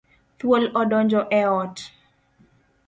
Thuol odonjo e ot.